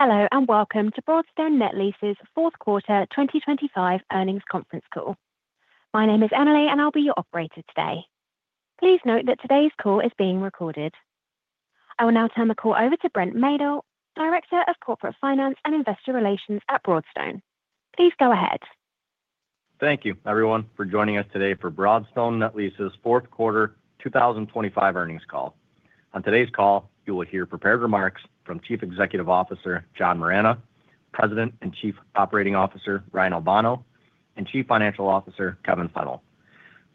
Hello, and welcome to Broadstone Net Lease's Q4 2025 Earnings Conference Call. My name is Emily, and I'll be your operator today. Please note that today's call is being recorded. I will now turn the call over to Brent Maedl, Director of Corporate Finance and Investor Relations at Broadstone. Please go ahead. Thank you, everyone, for joining us today for Broadstone Net Lease's Q4 2025 Earnings Call. On today's call, you will hear prepared remarks from Chief Executive Officer, John Moragne, President and Chief Operating Officer, Ryan Albano, and Chief Financial Officer, Kevin Fennell.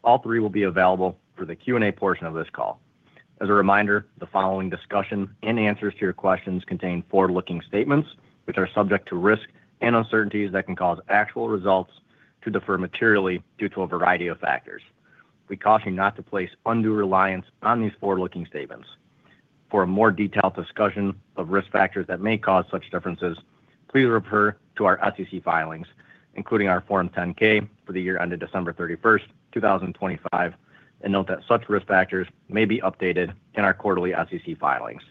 All three will be available for the Q&A portion of this call. As a reminder, the following discussion and answers to your questions contain forward-looking statements, which are subject to risk and uncertainties that can cause actual results to differ materially due to a variety of factors. We caution not to place undue reliance on these forward-looking statements. For a more detailed discussion of risk factors that may cause such differences, please refer to our SEC filings, including our Form 10-K for the year ended December 31, 2025, and note that such risk factors may be updated in our quarterly SEC filings.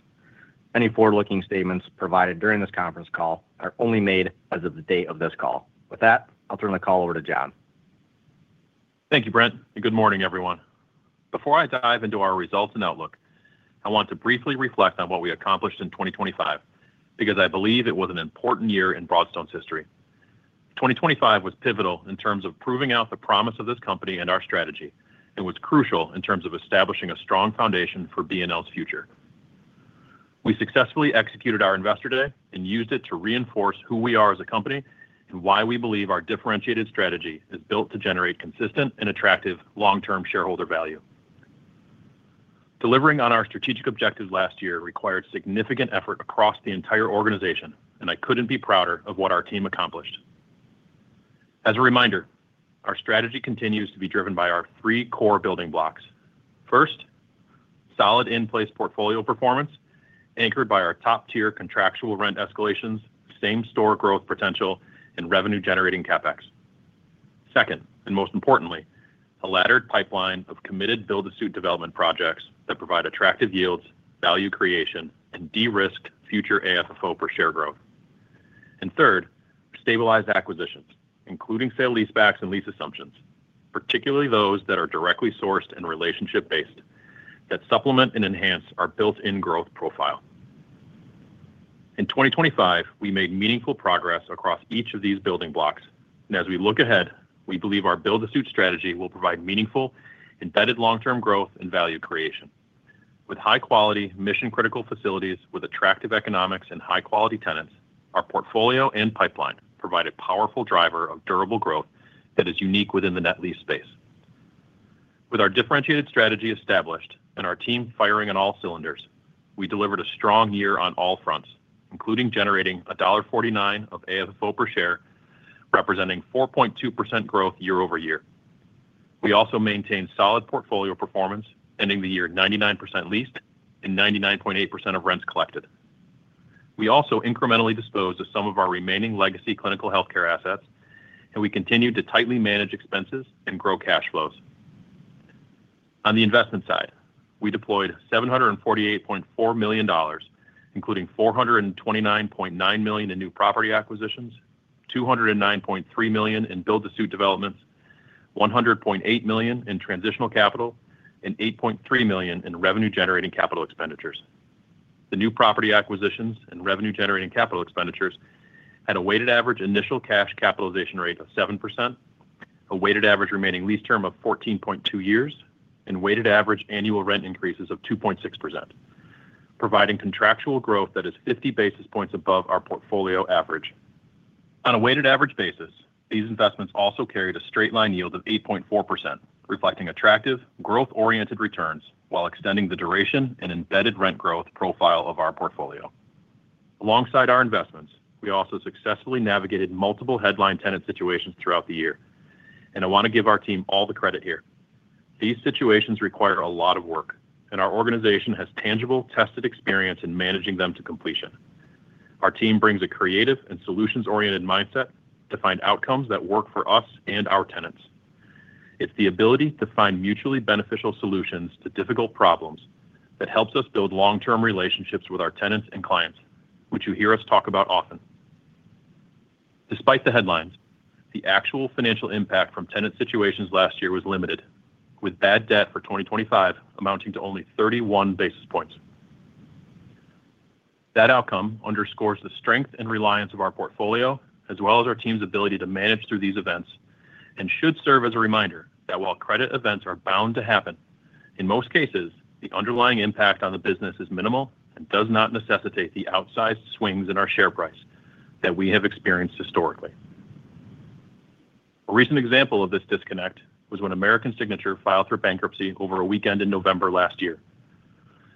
Any forward-looking statements provided during this conference call are only made as of the date of this call. With that, I'll turn the call over to John. Thank you, Brent, and good morning, everyone. Before I dive into our results and outlook, I want to briefly reflect on what we accomplished in 2025, because I believe it was an important year in Broadstone's history. 2025 was pivotal in terms of proving out the promise of this company and our strategy, and was crucial in terms of establishing a strong foundation for BNL's future. We successfully executed our Investor Day and used it to reinforce who we are as a company, and why we believe our differentiated strategy is built to generate consistent and attractive long-term shareholder value. Delivering on our strategic objectives last year required significant effort across the entire organization, and I couldn't be prouder of what our team accomplished. As a reminder, our strategy continues to be driven by our three core building blocks. First, solid in-place portfolio performance, anchored by our top-tier contractual rent escalations, same-store growth potential, and revenue-generating CapEx. Second, and most importantly, a laddered pipeline of committed build-to-suit development projects that provide attractive yields, value creation, and de-risk future AFFO per share growth. And third, stabilized acquisitions, including sale-leasebacks and lease assumptions, particularly those that are directly sourced and relationship-based, that supplement and enhance our built-in growth profile. In 2025, we made meaningful progress across each of these building blocks, and as we look ahead, we believe our build-to-suit strategy will provide meaningful, embedded long-term growth and value creation. With high-quality, mission-critical facilities with attractive economics and high-quality tenants, our portfolio and pipeline provide a powerful driver of durable growth that is unique within the net lease space. With our differentiated strategy established and our team firing on all cylinders, we delivered a strong year on all fronts, including generating $1.49 of AFFO per share, representing 4.2% growth year-over-year. We also maintained solid portfolio performance, ending the year 99% leased and 99.8% of rents collected. We also incrementally disposed of some of our remaining legacy clinical healthcare assets, and we continued to tightly manage expenses and grow cash flows. On the investment side, we deployed $748.4 million, including $429.9 million in new property acquisitions, $209.3 million in build-to-suit developments, $108 million in transitional capital, and $8.3 million in revenue-generating capital expenditures. The new property acquisitions and revenue-generating capital expenditures had a weighted average initial cash capitalization rate of 7%, a weighted average remaining lease term of 14.2 years, and weighted average annual rent increases of 2.6%, providing contractual growth that is 50 basis points above our portfolio average. On a weighted average basis, these investments also carried a straight-line yield of 8.4%, reflecting attractive, growth-oriented returns while extending the duration and embedded rent growth profile of our portfolio. Alongside our investments, we also successfully navigated multiple headline tenant situations throughout the year, and I want to give our team all the credit here. These situations require a lot of work, and our organization has tangible, tested experience in managing them to completion. Our team brings a creative and solutions-oriented mindset to find outcomes that work for us and our tenants. It's the ability to find mutually beneficial solutions to difficult problems that helps us build long-term relationships with our tenants and clients, which you hear us talk about often. Despite the headlines, the actual financial impact from tenant situations last year was limited, with bad debt for 2025 amounting to only 31 basis points. That outcome underscores the strength and reliance of our portfolio, as well as our team's ability to manage through these events, and should serve as a reminder that while credit events are bound to happen, in most cases, the underlying impact on the business is minimal and does not necessitate the outsized swings in our share price that we have experienced historically. A recent example of this disconnect was when American Signature filed for bankruptcy over a weekend in November last year,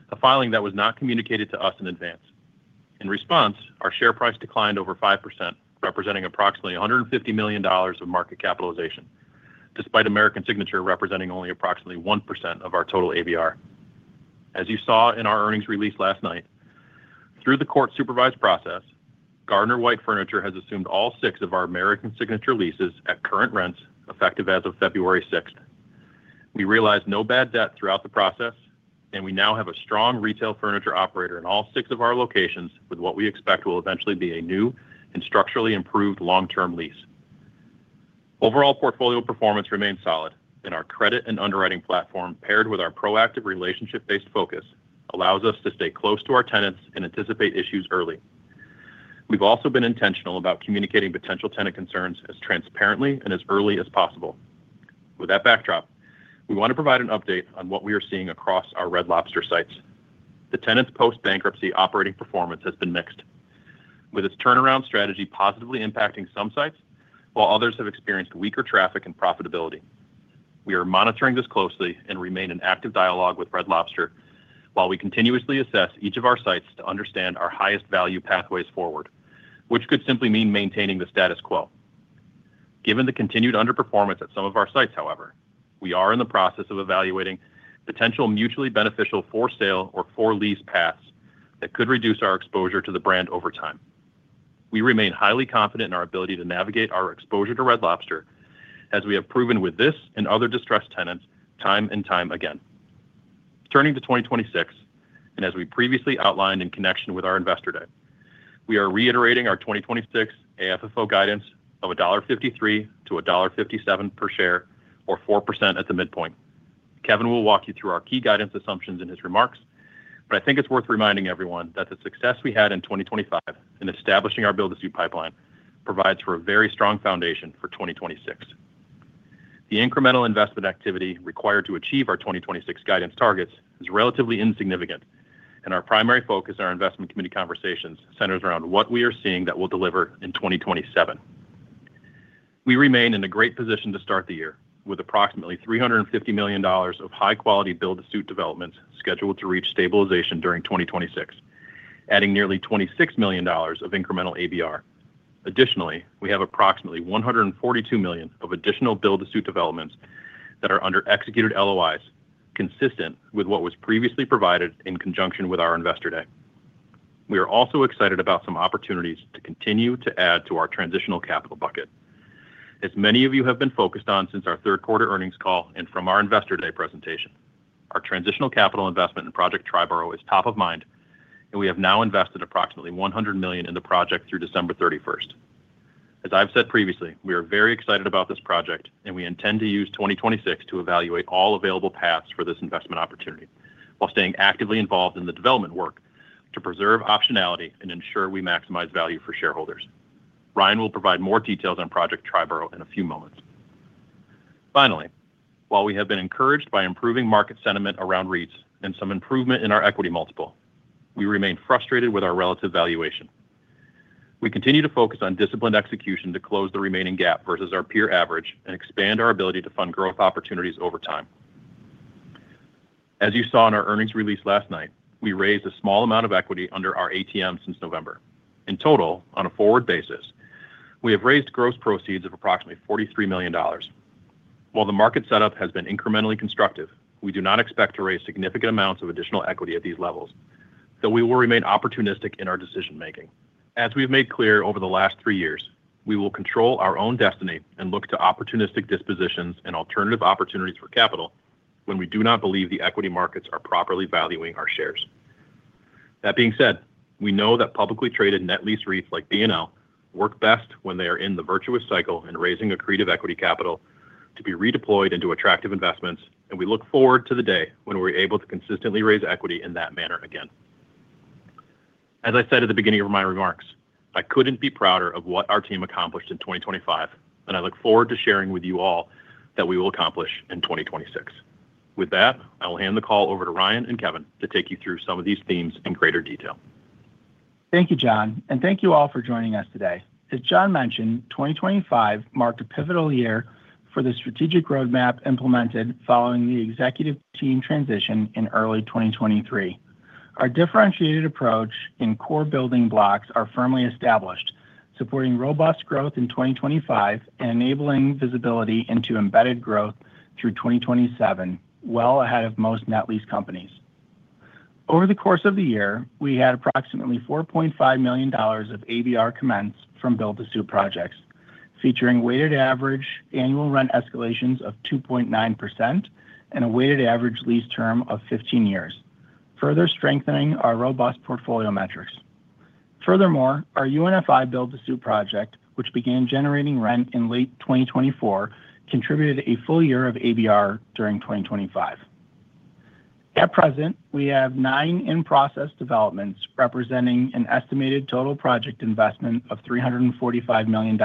a filing that was not communicated to us in advance. In response, our share price declined over 5%, representing approximately $150 million of market capitalization, despite American Signature representing only approximately 1% of our total ABR. As you saw in our earnings release last night, through the court-supervised process, Gardner White Furniture has assumed all six of our American Signature leases at current rents, effective as of February sixth. We realized no bad debt throughout the process, and we now have a strong retail furniture operator in all six of our locations, with what we expect will eventually be a new and structurally improved long-term lease. Overall portfolio performance remains solid, and our credit and underwriting platform, paired with our proactive relationship-based focus, allows us to stay close to our tenants and anticipate issues early. We've also been intentional about communicating potential tenant concerns as transparently and as early as possible. With that backdrop, we want to provide an update on what we are seeing across our Red Lobster sites. The tenants' post-bankruptcy operating performance has been mixed, with its turnaround strategy positively impacting some sites, while others have experienced weaker traffic and profitability. We are monitoring this closely and remain in active dialogue with Red Lobster while we continuously assess each of our sites to understand our highest value pathways forward, which could simply mean maintaining the status quo. Given the continued underperformance at some of our sites, however, we are in the process of evaluating potential mutually beneficial for-sale or for-lease paths that could reduce our exposure to the brand over time. We remain highly confident in our ability to navigate our exposure to Red Lobster, as we have proven with this and other distressed tenants time and time again. Turning to 2026, and as we previously outlined in connection with our Investor Day, we are reiterating our 2026 AFFO guidance of $1.53-$1.57 per share, or 4% at the midpoint. Kevin will walk you through our key guidance assumptions in his remarks, but I think it's worth reminding everyone that the success we had in 2025 in establishing our build-to-suit pipeline provides for a very strong foundation for 2026. The incremental investment activity required to achieve our 2026 guidance targets is relatively insignificant, and our primary focus, our investment committee conversations, centers around what we are seeing that will deliver in 2027. We remain in a great position to start the year, with approximately $350 million of high-quality build-to-suit developments scheduled to reach stabilization during 2026, adding nearly $26 million of incremental ABR. Additionally, we have approximately $142 million of additional build-to-suit developments that are under executed LOIs, consistent with what was previously provided in conjunction with our Investor Day. We are also excited about some opportunities to continue to add to our transitional capital bucket. As many of you have been focused on since our Q3 Earnings Call and from our Investor Day presentation, our transitional capital investment in Project Triboro is top of mind, and we have now invested approximately $100 million in the project through December 31st. As I've said previously, we are very excited about this project, and we intend to use 2026 to evaluate all available paths for this investment opportunity, while staying actively involved in the development work to preserve optionality and ensure we maximize value for shareholders. Ryan will provide more details on Project Triboro in a few moments. Finally, while we have been encouraged by improving market sentiment around REITs and some improvement in our equity multiple, we remain frustrated with our relative valuation. We continue to focus on disciplined execution to close the remaining gap versus our peer average and expand our ability to fund growth opportunities over time. As you saw in our earnings release last night, we raised a small amount of equity under our ATM since November. In total, on a forward basis, we have raised gross proceeds of approximately $43 million. While the market setup has been incrementally constructive, we do not expect to raise significant amounts of additional equity at these levels, though we will remain opportunistic in our decision-making. As we've made clear over the last three years, we will control our own destiny and look to opportunistic dispositions and alternative opportunities for capital when we do not believe the equity markets are properly valuing our shares. That being said, we know that publicly traded net lease REITs like BNL work best when they are in the virtuous cycle and raising accretive equity capital to be redeployed into attractive investments, and we look forward to the day when we're able to consistently raise equity in that manner again. As I said at the beginning of my remarks, I couldn't be prouder of what our team accomplished in 2025, and I look forward to sharing with you all that we will accomplish in 2026. With that, I will hand the call over to Ryan and Kevin to take you through some of these themes in greater detail. Thank you, John, and thank you all for joining us today. As John mentioned, 2025 marked a pivotal year for the strategic roadmap implemented following the executive team transition in early 2023. Our differentiated approach and core building blocks are firmly established, supporting robust growth in 2025 and enabling visibility into embedded growth through 2027, well ahead of most net lease companies. Over the course of the year, we had approximately $4.5 million of ABR commence from build-to-suit projects, featuring weighted average annual rent escalations of 2.9% and a weighted average lease term of 15 years, further strengthening our robust portfolio metrics. Furthermore, our UNFI build-to-suit project, which began generating rent in late 2024, contributed a full year of ABR during 2025. At present, we have 9 in-process developments representing an estimated total project investment of $345 million.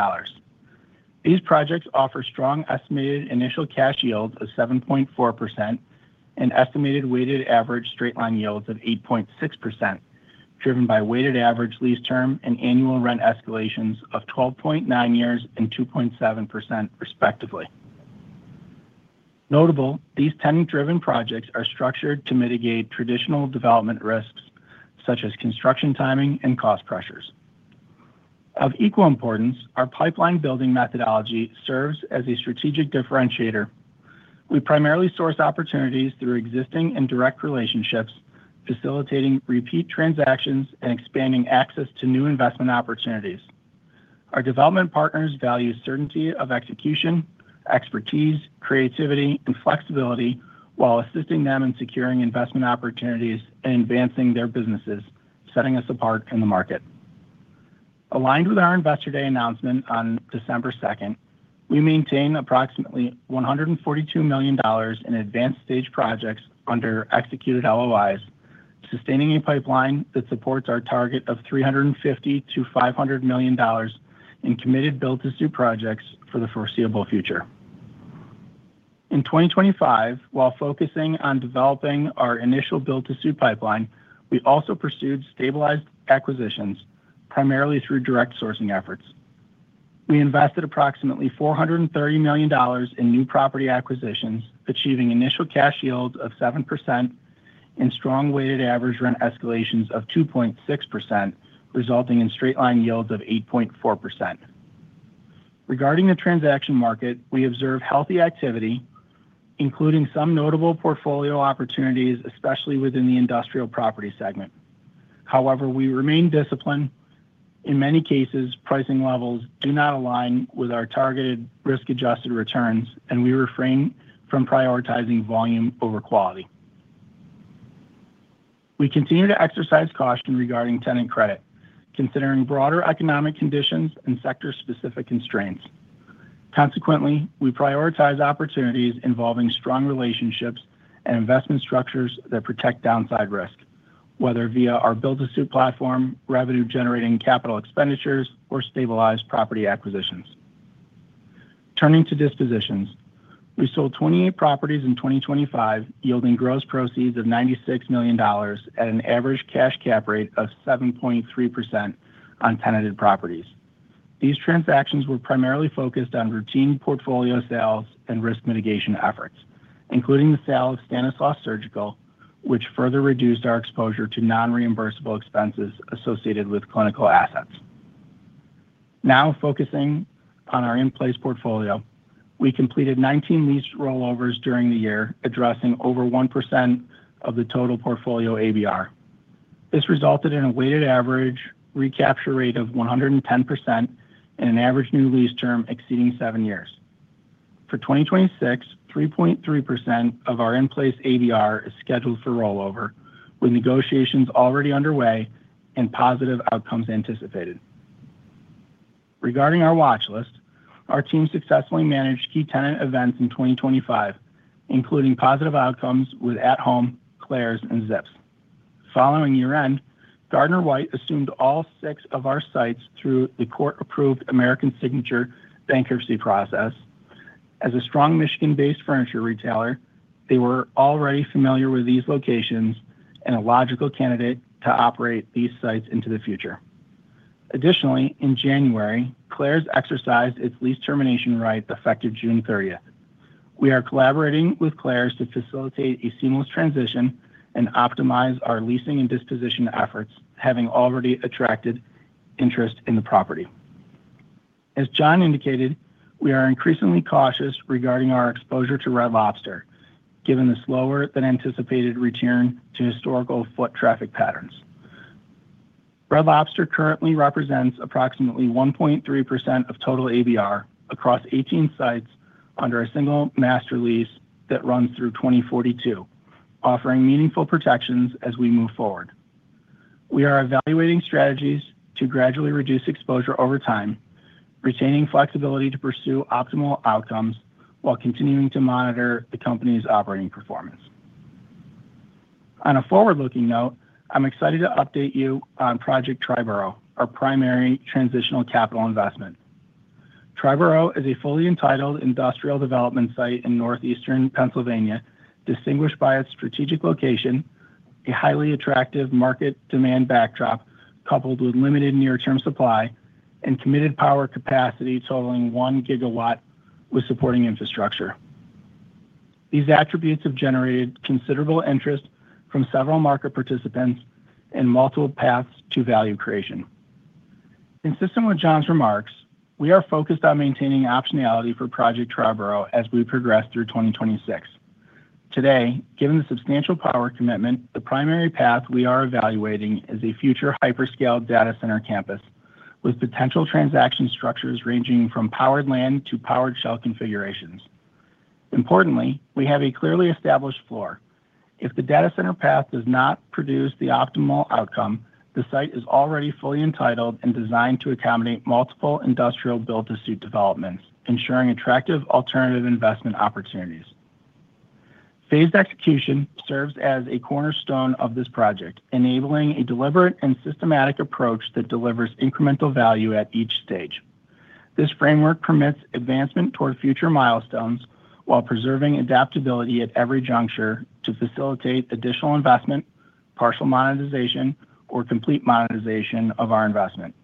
These projects offer strong estimated initial cash yield of 7.4% and estimated weighted average straight line yields of 8.6%, driven by weighted average lease term and annual rent escalations of 12.9 years and 2.7% respectively. Notably, these tenant-driven projects are structured to mitigate traditional development risks, such as construction, timing, and cost pressures. Of equal importance, our pipeline building methodology serves as a strategic differentiator. We primarily source opportunities through existing and direct relationships, facilitating repeat transactions and expanding access to new investment opportunities. Our development partners value certainty of execution, expertise, creativity, and flexibility while assisting them in securing investment opportunities and advancing their businesses, setting us apart in the market. Aligned with our Investor Day announcement on December 2, we maintain approximately $142 million in advanced stage projects under executed LOIs, sustaining a pipeline that supports our target of $350 million-$500 million in committed build-to-suit projects for the foreseeable future. In 2025, while focusing on developing our initial build-to-suit pipeline, we also pursued stabilized acquisitions, primarily through direct sourcing efforts. We invested approximately $430 million in new property acquisitions, achieving initial cash yields of 7% and strong weighted average rent escalations of 2.6%, resulting in straight line yields of 8.4%. Regarding the transaction market, we observe healthy activity, including some notable portfolio opportunities, especially within the industrial property segment. However, we remain disciplined. In many cases, pricing levels do not align with our targeted risk-adjusted returns, and we refrain from prioritizing volume over quality. We continue to exercise caution regarding tenant credit, considering broader economic conditions and sector-specific constraints. Consequently, we prioritize opportunities involving strong relationships and investment structures that protect downside risk, whether via our build-to-suit platform, revenue-generating capital expenditures, or stabilized property acquisitions. Turning to dispositions, we sold 28 properties in 2025, yielding gross proceeds of $96 million at an average cash cap rate of 7.3% on tenanted properties. These transactions were primarily focused on routine portfolio sales and risk mitigation efforts, including the sale of Stanislaus Surgical, which further reduced our exposure to non-reimbursable expenses associated with clinical assets. Now, focusing on our in-place portfolio, we completed 19 lease rollovers during the year, addressing over 1% of the total portfolio ABR. This resulted in a weighted average recapture rate of 110% and an average new lease term exceeding seven years. For 2026, 3.3% of our in-place ABR is scheduled for rollover, with negotiations already underway and positive outcomes anticipated. Regarding our watch list, our team successfully managed key tenant events in 2025, including positive outcomes with At Home, Claire's, and ZIPS. Following year-end, Gardner White assumed all six of our sites through the court-approved American Signature bankruptcy process. As a strong Michigan-based furniture retailer, they were already familiar with these locations and a logical candidate to operate these sites into the future. Additionally, in January, Claire's exercised its lease termination right, effective June 30. We are collaborating with Claire's to facilitate a seamless transition and optimize our leasing and disposition efforts, having already attracted interest in the property. As John indicated, we are increasingly cautious regarding our exposure to Red Lobster, given the slower than anticipated return to historical foot traffic patterns. Red Lobster currently represents approximately 1.3% of total ABR across 18 sites under a single master lease that runs through 2042, offering meaningful protections as we move forward. We are evaluating strategies to gradually reduce exposure over time, retaining flexibility to pursue optimal outcomes while continuing to monitor the company's operating performance. On a forward-looking note, I'm excited to update you on Project Triboro, our primary transitional capital investment. Triborough is a fully entitled industrial development site in northeastern Pennsylvania, distinguished by its strategic location, a highly attractive market demand backdrop, coupled with limited near-term supply and committed power capacity totaling 1 gigawatt with supporting infrastructure. These attributes have generated considerable interest from several market participants and multiple paths to value creation. Consistent with John's remarks, we are focused on maintaining optionality for Project Triboro as we progress through 2026. Today, given the substantial power commitment, the primary path we are evaluating is a future hyperscale data center campus, with potential transaction structures ranging from powered land to powered shell configurations. Importantly, we have a clearly established floor. If the data center path does not produce the optimal outcome, the site is already fully entitled and designed to accommodate multiple industrial build-to-suit developments, ensuring attractive alternative investment opportunities. Phased execution serves as a cornerstone of this project, enabling a deliberate and systematic approach that delivers incremental value at each stage. This framework permits advancement toward future milestones while preserving adaptability at every juncture to facilitate additional investment, partial monetization, or complete monetization of our investment.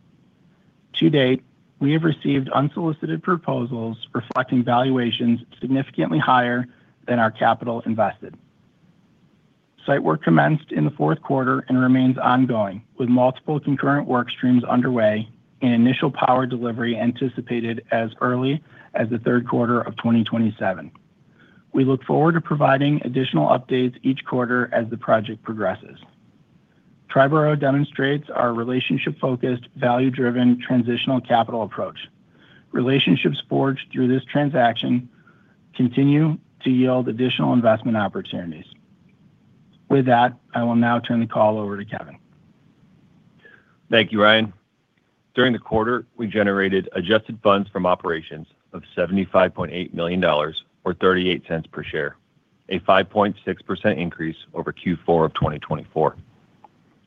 To date, we have received unsolicited proposals reflecting valuations significantly higher than our capital invested. Site work commenced in the Q4 and remains ongoing, with multiple concurrent work streams underway and initial power delivery anticipated as early as the Q3 of 2027. We look forward to providing additional updates each quarter as the project progresses. Triborough demonstrates our relationship-focused, value-driven, transitional capital approach. Relationships forged through this transaction continue to yield additional investment opportunities. With that, I will now turn the call over to Kevin. Thank you, Ryan. During the quarter, we generated adjusted funds from operations of $75.8 million or 38 cents per share, a 5.6% increase over Q4 of 2024.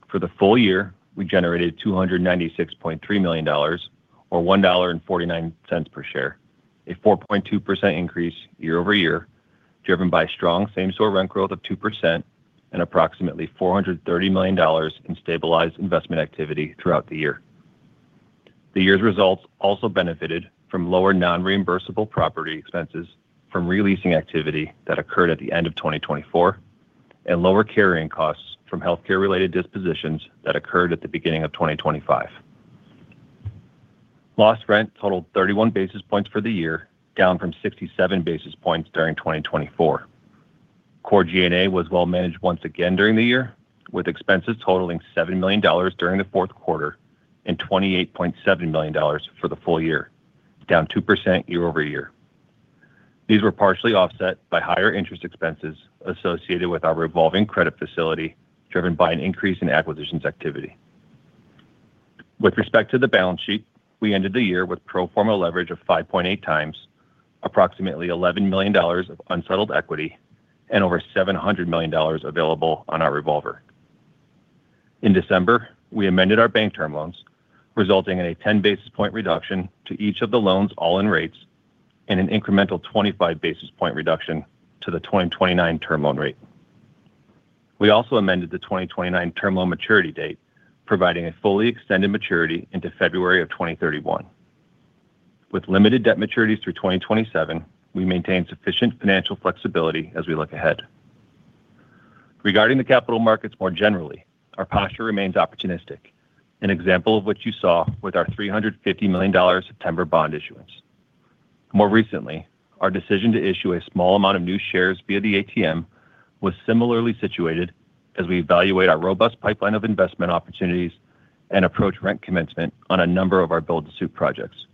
For the full year, we generated $296.3 million or $1.49 per share, a 4.2% increase year over year, driven by strong same-store rent growth of 2% and approximately $430 million in stabilized investment activity throughout the year. The year's results also benefited from lower non-reimbursable property expenses from re-leasing activity that occurred at the end of 2024, and lower carrying costs from healthcare-related dispositions that occurred at the beginning of 2025. Lost rent totaled 31 basis points for the year, down from 67 basis points during 2024. Core G&A was well managed once again during the year, with expenses totaling $7 million during the Q4 and $28.7 million for the full year, down 2% year-over-year. These were partially offset by higher interest expenses associated with our revolving credit facility, driven by an increase in acquisitions activity. With respect to the balance sheet, we ended the year with pro forma leverage of 5.8x, approximately $11 million of unsettled equity, and over $700 million available on our revolver. In December, we amended our bank term loans, resulting in a 10 basis points reduction to each of the loans' all-in rates and an incremental 25 basis points reduction to the 2029 term loan rate. We also amended the 2029 term loan maturity date, providing a fully extended maturity into February 2031. With limited debt maturities through 2027, we maintain sufficient financial flexibility as we look ahead. Regarding the capital markets more generally, our posture remains opportunistic, an example of what you saw with our $350 million September bond issuance. More recently, our decision to issue a small amount of new shares via the ATM was similarly situated as we evaluate our robust pipeline of investment opportunities and approach rent commencement on a number of our build-to-suit projects.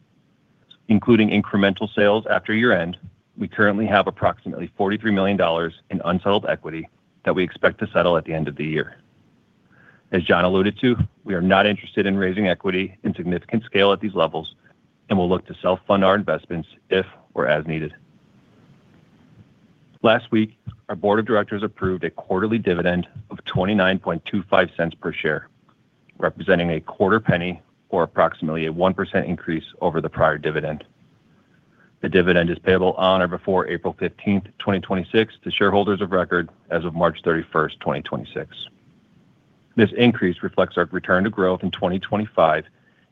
Including incremental sales after year-end, we currently have approximately $43 million in unsettled equity that we expect to settle at the end of the year. As John alluded to, we are not interested in raising equity in significant scale at these levels, and we'll look to self-fund our investments if or as needed. Last week, our board of directors approved a quarterly dividend of $0.2925 per share, representing $0.0025 or approximately a 1% increase over the prior dividend. The dividend is payable on or before April 15, 2026, to shareholders of record as of March 31, 2026. This increase reflects our return to growth in 2025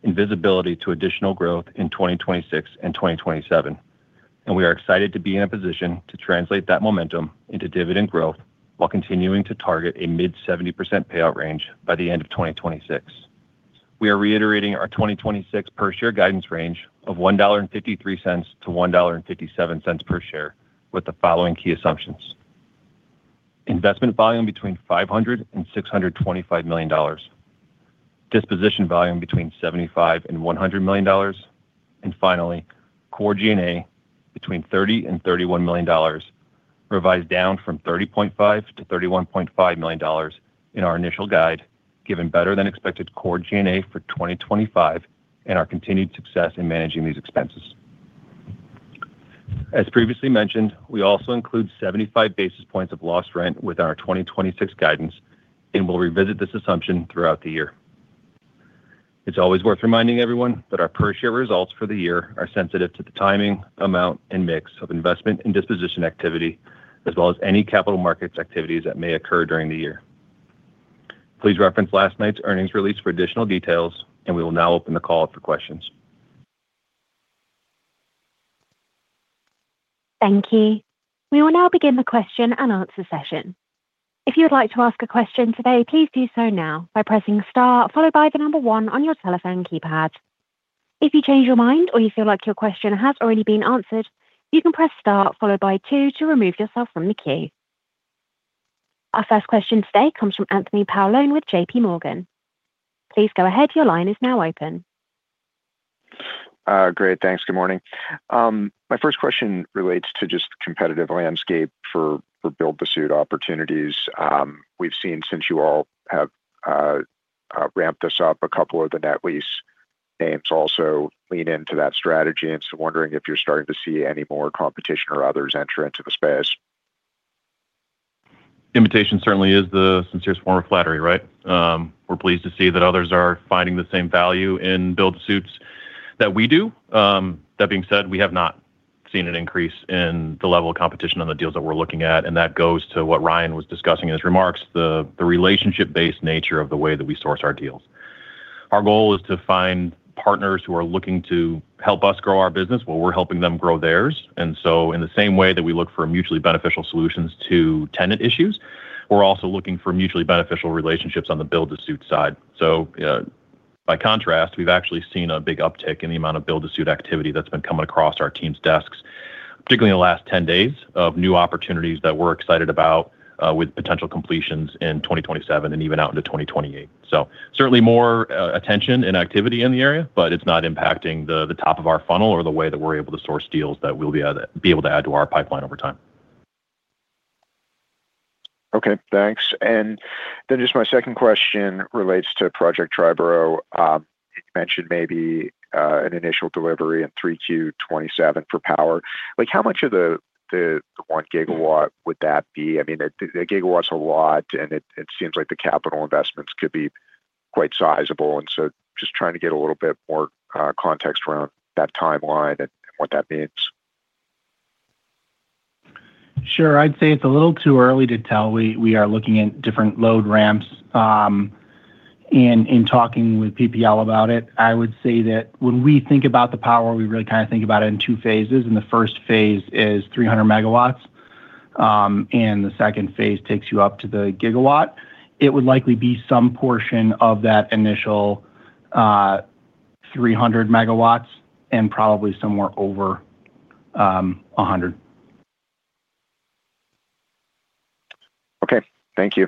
and visibility to additional growth in 2026 and 2027, and we are excited to be in a position to translate that momentum into dividend growth while continuing to target a mid-70% payout range by the end of 2026. We are reiterating our 2026 per share guidance range of $1.53-$1.57 per share with the following key assumptions: investment volume between $500-$625 million, disposition volume between $75-$100 million, and finally, core G&A between $30-$31 million, revised down from $30.5-$31.5 million in our initial guide, given better than expected core G&A for 2025 and our continued success in managing these expenses. As previously mentioned, we also include 75 basis points of lost rent with our 2026 guidance and will revisit this assumption throughout the year. It's always worth reminding everyone that our per share results for the year are sensitive to the timing, amount, and mix of investment and disposition activity, as well as any capital markets activities that may occur during the year. Please reference last night's earnings release for additional details, and we will now open the call for questions. Thank you. We will now begin the question and answer session. If you would like to ask a question today, please do so now by pressing star followed by the number one on your telephone keypad. If you change your mind or you feel like your question has already been answered, you can press star followed by two to remove yourself from the queue. Our first question today comes from Anthony Paolone with J.P. Morgan. Please go ahead. Your line is now open. Great. Thanks. Good morning. My first question relates to just competitive landscape for build-to-suit opportunities. We've seen since you all have ramped this up, a couple of the net lease names also lean into that strategy. And so wondering if you're starting to see any more competition or others enter into the space? Imitation certainly is the sincerest form of flattery, right? We're pleased to see that others are finding the same value in build-to-suits that we do. That being said, we have not seen an increase in the level of competition on the deals that we're looking at, and that goes to what Ryan was discussing in his remarks, the relationship-based nature of the way that we source our deals. Our goal is to find partners who are looking to help us grow our business, while we're helping them grow theirs. And so in the same way that we look for mutually beneficial solutions to tenant issues, we're also looking for mutually beneficial relationships on the build-to-suit side. So, by contrast, we've actually seen a big uptick in the amount of build-to-suit activity that's been coming across our team's desks. Particularly in the last 10 days of new opportunities that we're excited about, with potential completions in 2027 and even out into 2028. So certainly more attention and activity in the area, but it's not impacting the top of our funnel or the way that we're able to source deals that we'll be able to add to our pipeline over time. Okay, thanks. And then just my second question relates to Project Triboro. You mentioned maybe an initial delivery in 3Q 2027 for power. Like, how much of the 1 GW would that be? I mean, a GW's a lot, and it seems like the capital investments could be quite sizable, and so just trying to get a little bit more context around that timeline and what that means. Sure. I'd say it's a little too early to tell. We, we are looking at different load ramps, and in talking with PPL about it, I would say that when we think about the power, we really kind of think about it in two phases, and the first phase is 300 megawatts, and the second phase takes you up to the gigawatt. It would likely be some portion of that initial, 300 megawatts and probably somewhere over, a hundred. Okay, thank you.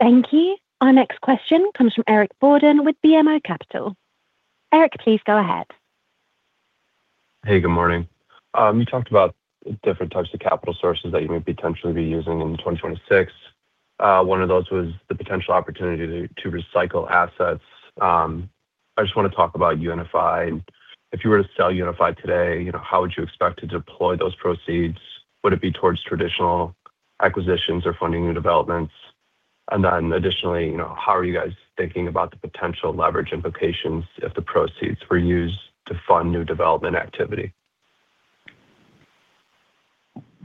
Thank you. Our next question comes from Eric Borden with BMO Capital. Eric, please go ahead. Hey, good morning. You talked about different types of capital sources that you may potentially be using in 2026. One of those was the potential opportunity to recycle assets. I just want to talk about UNFI. If you were to sell UNFI today, you know, how would you expect to deploy those proceeds? Would it be towards traditional acquisitions or funding new developments? And then additionally, you know, how are you guys thinking about the potential leverage implications if the proceeds were used to fund new development activity?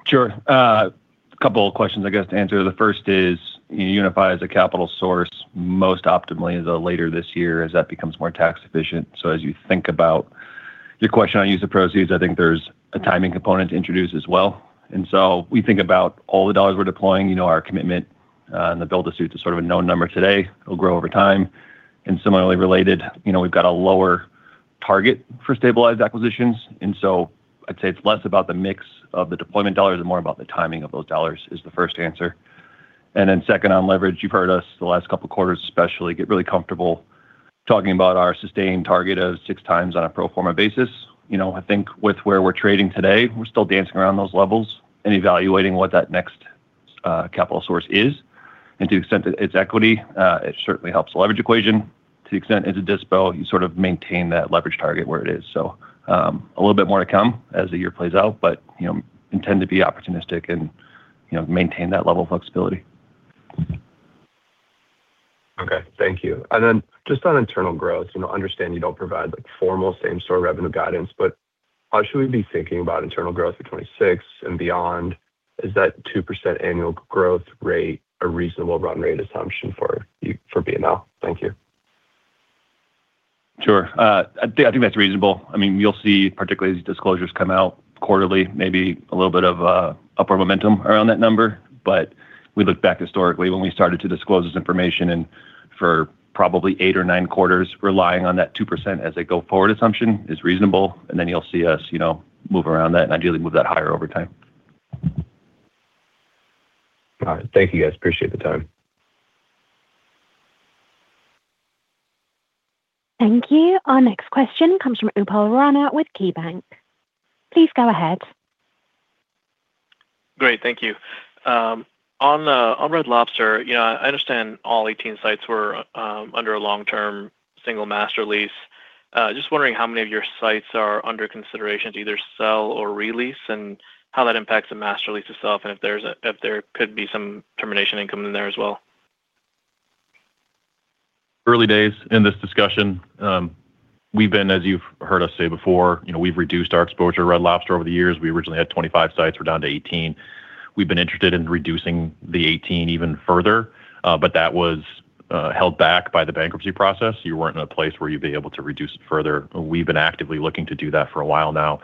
Sure. A couple of questions, I guess, to answer. The first is, UNFI is a capital source, most optimally, the later this year, as that becomes more tax efficient. So as you think about your question on use of proceeds, I think there's a timing component to introduce as well. And so we think about all the dollars we're deploying, you know, our commitment, and the build-to-suit is sort of a known number today. It'll grow over time. And similarly related, you know, we've got a lower target for stabilized acquisitions, and so I'd say it's less about the mix of the deployment dollars and more about the timing of those dollars, is the first answer. And then second, on leverage, you've heard us the last couple of quarters, especially, get really comfortable talking about our sustained target of 6x on a pro forma basis. You know, I think with where we're trading today, we're still dancing around those levels and evaluating what that next capital source is. And to the extent that it's equity, it certainly helps the leverage equation. To the extent it's a dispo, you sort of maintain that leverage target where it is. So, a little bit more to come as the year plays out, but, you know, intend to be opportunistic and, you know, maintain that level of flexibility. Okay, thank you. And then just on internal growth, you know, understand you don't provide, like, formal same-store revenue guidance, but how should we be thinking about internal growth in 2026 and beyond? Is that 2% annual growth rate a reasonable run rate assumption for you, for BNL? Thank you. Sure. I think that's reasonable. I mean, you'll see, particularly as disclosures come out quarterly, maybe a little bit of upper momentum around that number. But we look back historically when we started to disclose this information, and for probably eight or nine quarters, relying on that 2% as a go-forward assumption is reasonable, and then you'll see us, you know, move around that and ideally move that higher over time. All right. Thank you, guys. Appreciate the time. Thank you. Our next question comes from Upal Rana with KeyBanc. Please go ahead. Great. Thank you. On Red Lobster, you know, I understand all 18 sites were under a long-term single master lease. Just wondering how many of your sites are under consideration to either sell or re-lease, and how that impacts the master lease itself, and if there could be some termination income in there as well. Early days in this discussion. We've been, as you've heard us say before, you know, we've reduced our exposure to Red Lobster over the years. We originally had 25 sites. We're down to 18. We've been interested in reducing the 18 even further, but that was held back by the bankruptcy process. You weren't in a place where you'd be able to reduce it further. We've been actively looking to do that for a while now.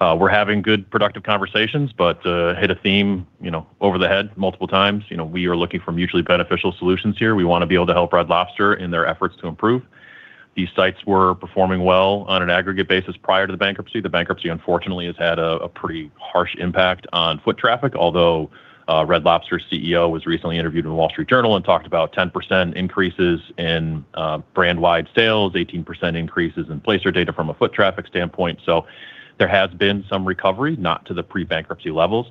We're having good, productive conversations, but hit a theme, you know, over the head multiple times. You know, we are looking for mutually beneficial solutions here. We want to be able to help Red Lobster in their efforts to improve. These sites were performing well on an aggregate basis prior to the bankruptcy. The bankruptcy, unfortunately, has had a pretty harsh impact on foot traffic, although Red Lobster's CEO was recently interviewed in The Wall Street Journal and talked about 10% increases in brand-wide sales, 18% increases in Placer data from a foot traffic standpoint. So there has been some recovery, not to the pre-bankruptcy levels.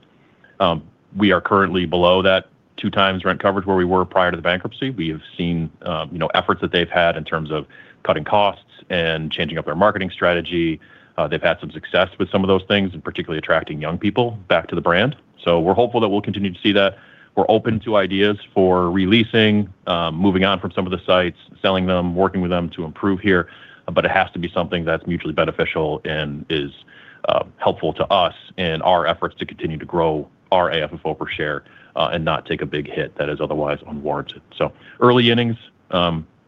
We are currently below that 2 times rent coverage where we were prior to the bankruptcy. We have seen, you know, efforts that they've had in terms of cutting costs and changing up their marketing strategy. They've had some success with some of those things, and particularly attracting young people back to the brand. So we're hopeful that we'll continue to see that. We're open to ideas for re-leasing, moving on from some of the sites, selling them, working with them to improve here, but it has to be something that's mutually beneficial and is helpful to us in our efforts to continue to grow our AFFO per share, and not take a big hit that is otherwise unwarranted. So early innings,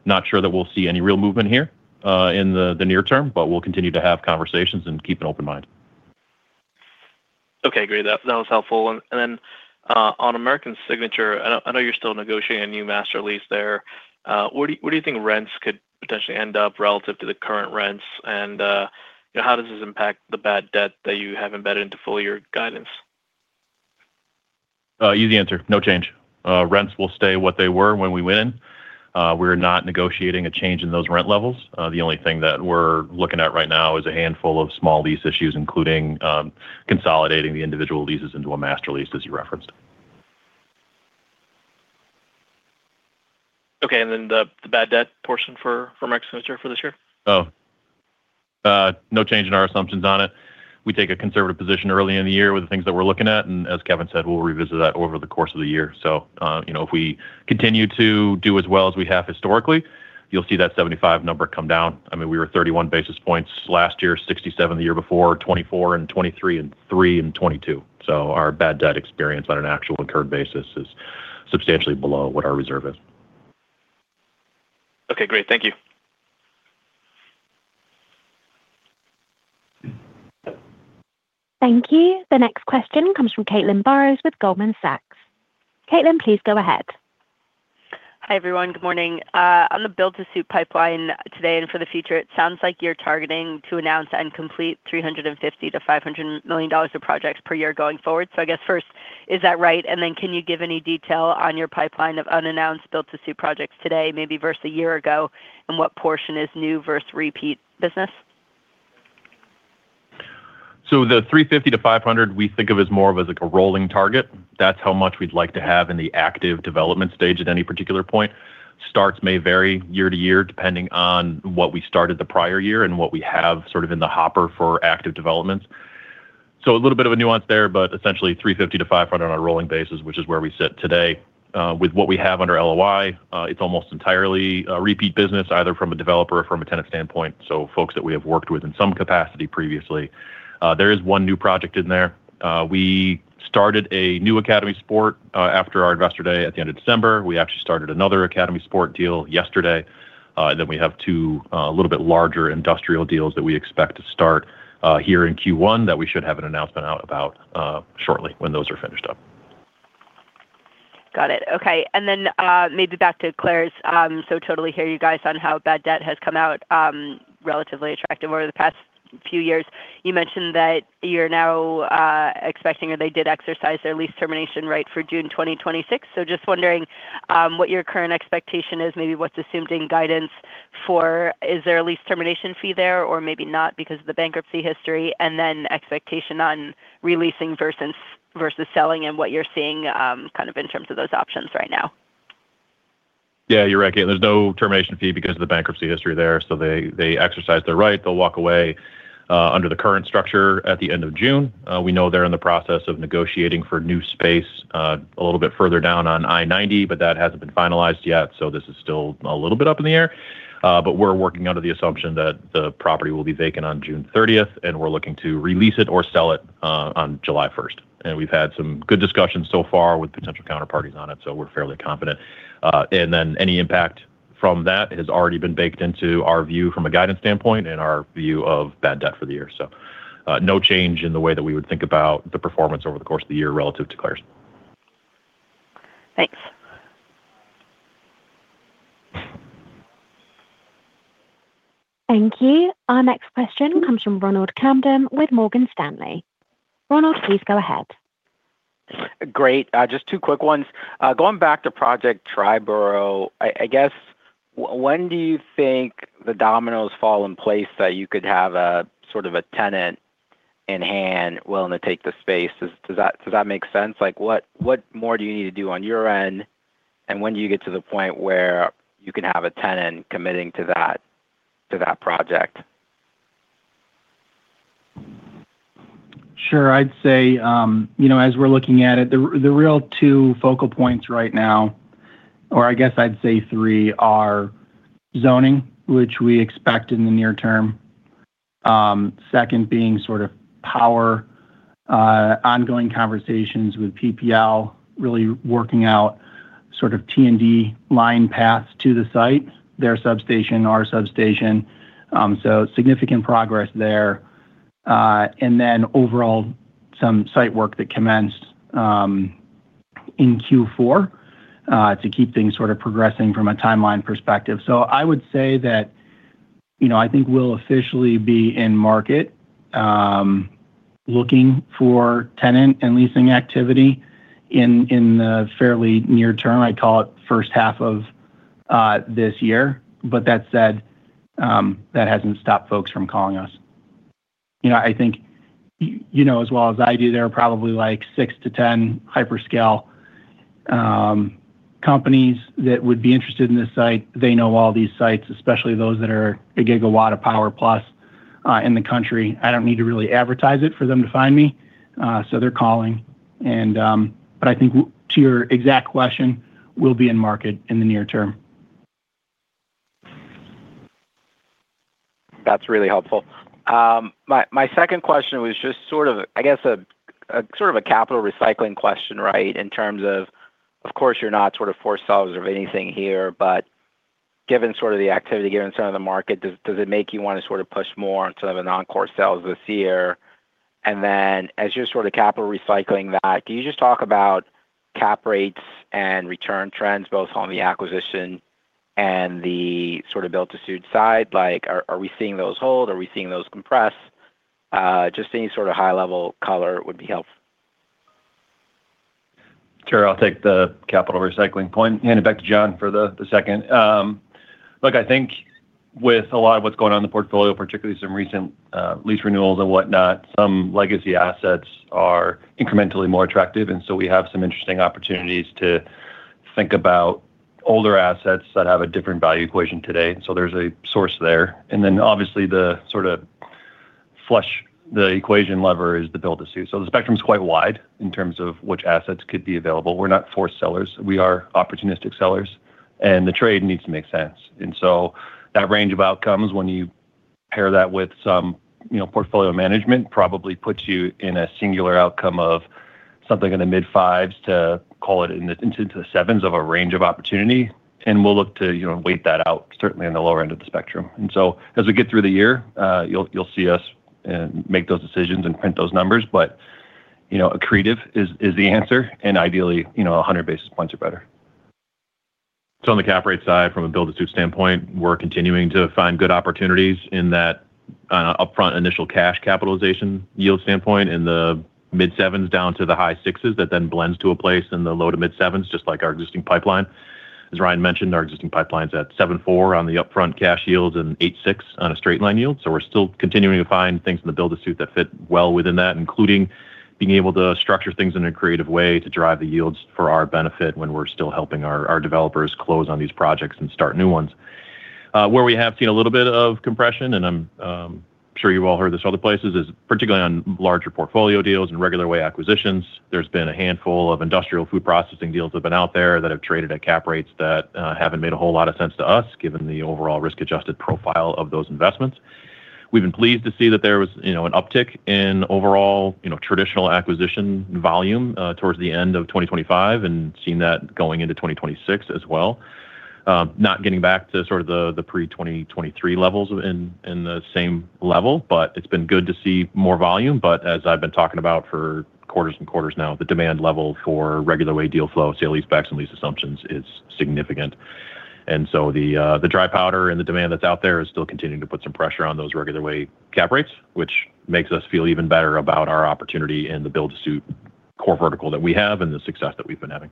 not sure that we'll see any real movement here, in the near term, but we'll continue to have conversations and keep an open mind. Okay, great. That, that was helpful. And, and then, on American Signature, I know, I know you're still negotiating a new master lease there. Where do, where do you think rents could potentially end up relative to the current rents? And, you know, how does this impact the bad debt that you have embedded into full year guidance? Easy answer, no change. Rents will stay what they were when we went in. We're not negotiating a change in those rent levels. The only thing that we're looking at right now is a handful of small lease issues, including consolidating the individual leases into a master lease, as you referenced. Okay, and then the bad debt portion for American Signature for this year? No change in our assumptions on it. We take a conservative position early in the year with the things that we're looking at, and as Kevin said, we'll revisit that over the course of the year. So, you know, if we continue to do as well as we have historically, you'll see that 75 number come down. I mean, we were 31 basis points last year, 67 the year before, 24 and 23, and 3 and 22. So our bad debt experience on an actual incurred basis is substantially below what our reserve is. Okay, great. Thank you. Thank you. The next question comes from Caitlin Burrows with Goldman Sachs. Caitlin, please go ahead. Hi, everyone. Good morning. On the build-to-suit pipeline today and for the future, it sounds like you're targeting to announce and complete $350 million-$500 million of projects per year going forward. So I guess first, is that right? And then, can you give any detail on your pipeline of unannounced build-to-suit projects today, maybe versus a year ago, and what portion is new versus repeat business? So the 350-500, we think of as more of as like a rolling target. That's how much we'd like to have in the active development stage at any particular point. Starts may vary year to year, depending on what we started the prior year and what we have sort of in the hopper for active developments. So a little bit of a nuance there, but essentially 350-500 on a rolling basis, which is where we sit today. With what we have under LOI, it's almost entirely a repeat business, either from a developer or from a tenant standpoint, so folks that we have worked with in some capacity previously. There is one new project in there. We started a new Academy Sports, after our Investor Day at the end of December. We actually started another Academy Sports deal yesterday. And then we have two, a little bit larger industrial deals that we expect to start here in Q1 that we should have an announcement out about shortly when those are finished up. Got it. Okay. And then, maybe back to Claire's. So totally hear you guys on how bad debt has come out, relatively attractive over the past few years. You mentioned that you're now, expecting or they did exercise their lease termination right for June 2026. So just wondering, what your current expectation is, maybe what's assumed in guidance for, is there a lease termination fee there, or maybe not because of the bankruptcy history? And then expectation on re-leasing versus, versus selling and what you're seeing, kind of in terms of those options right now. Yeah, you're right, Caitlin. There's no termination fee because of the bankruptcy history there, so they exercise their right. They'll walk away under the current structure at the end of June. We know they're in the process of negotiating for new space a little bit further down on I-90, but that hasn't been finalized yet, so this is still a little bit up in the air. But we're working under the assumption that the property will be vacant on June thirtieth, and we're looking to re-lease it or sell it on July first. And we've had some good discussions so far with potential counterparties on it, so we're fairly confident. And then any impact from that has already been baked into our view from a guidance standpoint and our view of bad debt for the year. So, no change in the way that we would think about the performance over the course of the year relative to Claire's. Thanks. Thank you. Our next question comes from Ronald Kamdem with Morgan Stanley. Ronald, please go ahead. Great. Just two quick ones. Going back to Project Triboro, I guess, when do you think the dominoes fall in place that you could have a sort of a tenant in hand willing to take the space? Does that make sense? Like, what more do you need to do on your end, and when do you get to the point where you can have a tenant committing to that project? Sure. I'd say, you know, as we're looking at it, the real two focal points right now, or I guess I'd say three, are zoning, which we expect in the near term. Second being sort of power, ongoing conversations with PPL, really working out sort of T&D line paths to the site, their substation, our substation, so significant progress there. And then overall, some site work that commenced, in Q4, to keep things sort of progressing from a timeline perspective. So I would say that, you know, I think we'll officially be in market, looking for tenant and leasing activity in, in the fairly near term. I'd call it first half of, this year. But that said, that hasn't stopped folks from calling us. You know, I think you know as well as I do, there are probably, like, 6-10 hyperscale companies that would be interested in this site. They know all these sites, especially those that are 1 gigawatt of power plus, in the country. I don't need to really advertise it for them to find me, so they're calling. And, but I think to your exact question, we'll be in market in the near term. That's really helpful. My second question was just sort of, I guess, a sort of a capital recycling question, right? In terms of, of course, you're not sort of forced sellers of anything here, but given sort of the activity, given some of the market, does it make you want to sort of push more into the non-core sales this year? And then as you're sort of capital recycling that, can you just talk about cap rates and return trends, both on the acquisition and the sort of build-to-suit side? Like, are we seeing those hold? Are we seeing those compress? Just any sort of high-level color would be helpful. Sure. I'll take the capital recycling point and hand it back to John for the second. Look, I think with a lot of what's going on in the portfolio, particularly some recent lease renewals and whatnot, some legacy assets are incrementally more attractive, and so we have some interesting opportunities to think about older assets that have a different value equation today. So there's a source there. And then obviously, the sort of flush the equation lever is the build-to-suit. So the spectrum's quite wide in terms of which assets could be available. We're not forced sellers. We are opportunistic sellers, and the trade needs to make sense. That range of outcomes, when you pair that with some, you know, portfolio management, probably puts you in a singular outcome of something in the mid-5s to call it in the, into the 7s of a range of opportunity, and we'll look to, you know, wait that out, certainly in the lower end of the spectrum. So as we get through the year, you'll see us make those decisions and print those numbers. But, you know, accretive is the answer, and ideally, you know, 100 basis points or better. So on the cap rate side, from a build-to-suit standpoint, we're continuing to find good opportunities in that, upfront initial cash capitalization yield standpoint, in the mid-7s down to the high-6s, that then blends to a place in the low- to mid-7s, just like our existing pipeline. As Ryan mentioned, our existing pipeline's at 7.4 on the upfront cash yields and 8.6 on a straight-line yield. So we're still continuing to find things in the build-to-suit that fit well within that, including being able to structure things in a creative way to drive the yields for our benefit when we're still helping our developers close on these projects and start new ones. Where we have seen a little bit of compression, and I'm sure you've all heard this other places, is particularly on larger portfolio deals and regular way acquisitions. There's been a handful of industrial food processing deals that have been out there that have traded at cap rates that haven't made a whole lot of sense to us, given the overall risk-adjusted profile of those investments. We've been pleased to see that there was, you know, an uptick in overall, you know, traditional acquisition volume towards the end of 2025 and seen that going into 2026 as well. Not getting back to sort of the, the pre-2023 levels in, in the same level, but it's been good to see more volume. But as I've been talking about for quarters and quarters now, the demand level for regular way deal flow, sale leasebacks, and lease assumptions is significant. The dry powder and the demand that's out there is still continuing to put some pressure on those regular way cap rates, which makes us feel even better about our opportunity in the build-to-suit core vertical that we have and the success that we've been having.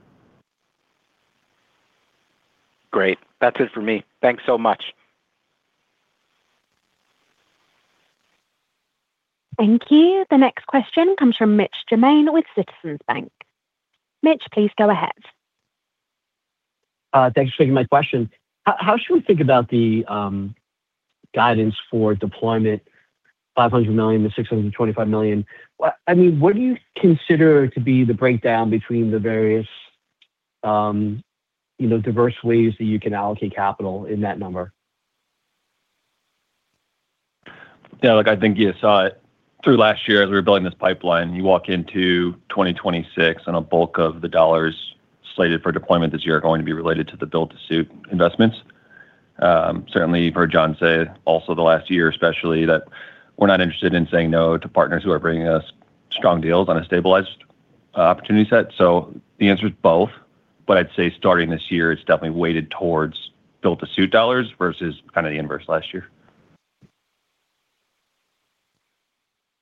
Great. That's it for me. Thanks so much. Thank you. The next question comes from Mitch Germain with Citizens Bank. Mitch, please go ahead. Thanks for taking my question. How, how should we think about the guidance for deployment, $500 million-$625 million? What-- I mean, what do you consider to be the breakdown between the various, you know, diverse ways that you can allocate capital in that number? Yeah, look, I think you saw it through last year as we were building this pipeline. You walk into 2026, and a bulk of the dollars slated for deployment this year are going to be related to the build-to-suit investments. Certainly, you've heard John say also the last year especially, that we're not interested in saying no to partners who are bringing us strong deals on a stabilized opportunity set. So the answer is both, but I'd say starting this year, it's definitely weighted towards build-to-suit dollars versus kind of the inverse last year.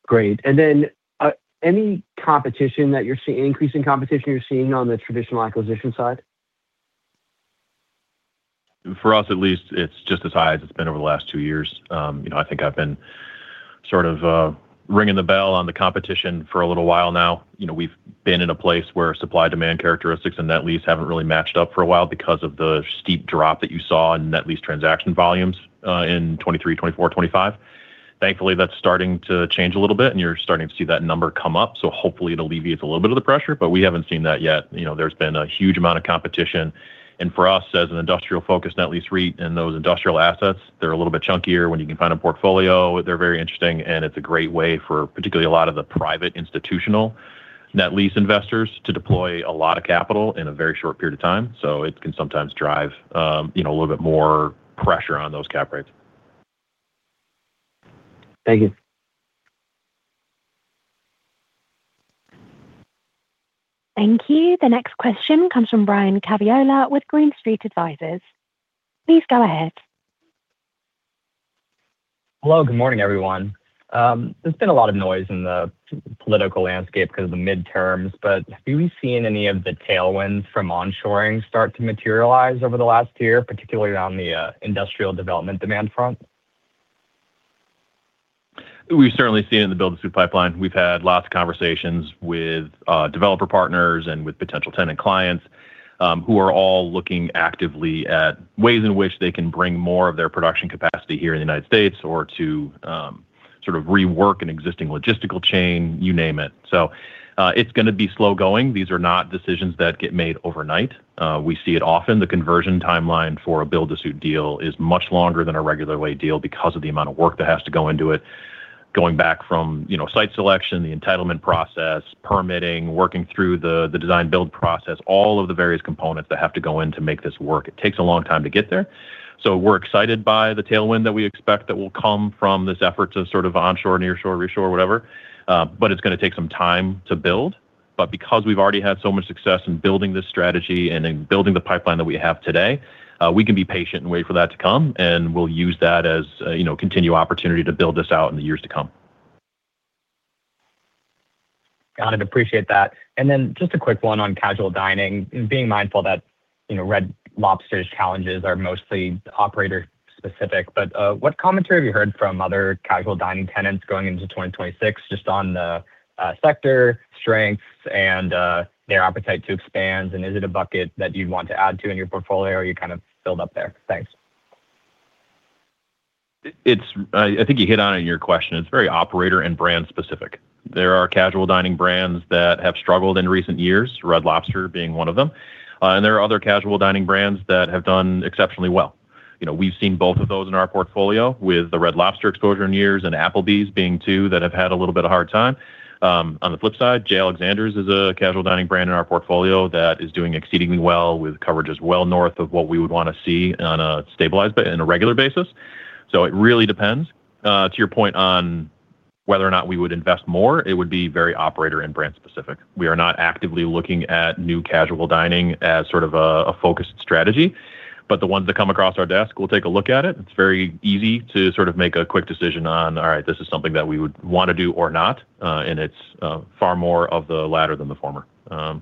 Great. And then, increase in competition you're seeing on the traditional acquisition side? For us at least, it's just as high as it's been over the last two years. You know, I think I've been sort of ringing the bell on the competition for a little while now. You know, we've been in a place where supply-demand characteristics and net lease haven't really matched up for a while because of the steep drop that you saw in net lease transaction volumes in 2023, 2024, 2025. Thankfully, that's starting to change a little bit, and you're starting to see that number come up, so hopefully it alleviates a little bit of the pressure, but we haven't seen that yet. You know, there's been a huge amount of competition. And for us, as an industrial-focused net lease REIT in those industrial assets, they're a little bit chunkier. When you can find a portfolio, they're very interesting, and it's a great way for particularly a lot of the private institutional net lease investors to deploy a lot of capital in a very short period of time. So it can sometimes drive, you know, a little bit more pressure on those cap rates. Thank you. Thank you. The next question comes from Ryan Caviola with Green Street Advisors. Please go ahead. Hello, good morning, everyone. There's been a lot of noise in the political landscape because of the midterms, but have we seen any of the tailwinds from onshoring start to materialize over the last year, particularly on the industrial development demand front? We've certainly seen it in the build-to-suit pipeline. We've had lots of conversations with developer partners and with potential tenant clients, who are all looking actively at ways in which they can bring more of their production capacity here in the United States or to sort of rework an existing logistical chain, you name it. So, it's gonna be slow-going. These are not decisions that get made overnight. We see it often. The conversion timeline for a build-to-suit deal is much longer than a regular way deal because of the amount of work that has to go into it, going back from, you know, site selection, the entitlement process, permitting, working through the, the design build process, all of the various components that have to go in to make this work, it takes a long time to get there. So we're excited by the tailwind that we expect that will come from this effort to sort of onshore, nearshore, reshore, whatever. But it's gonna take some time to build. But because we've already had so much success in building this strategy and in building the pipeline that we have today, we can be patient and wait for that to come, and we'll use that as, you know, a continued opportunity to build this out in the years to come. Got it. Appreciate that. And then just a quick one on casual dining, and being mindful that, you know, Red Lobster's challenges are mostly operator-specific, but what commentary have you heard from other casual dining tenants going into 2026, just on the sector strengths and their appetite to expand? And is it a bucket that you'd want to add to in your portfolio, or are you kind of built up there? Thanks. It's, I think you hit on it in your question. It's very operator and brand specific. There are casual dining brands that have struggled in recent years, Red Lobster being one of them. And there are other casual dining brands that have done exceptionally well. You know, we've seen both of those in our portfolio, with the Red Lobster exposure in years, and Applebee's being two that have had a little bit of hard time. On the flip side, J. Alexander's is a casual dining brand in our portfolio that is doing exceedingly well, with coverage as well, north of what we would want to see on a stabilized basis in a regular basis. So it really depends. To your point on whether or not we would invest more, it would be very operator and brand specific. We are not actively looking at new casual dining as sort of a focused strategy, but the ones that come across our desk, we'll take a look at it. It's very easy to sort of make a quick decision on, all right, this is something that we would want to do or not, and it's far more of the latter than the former. Got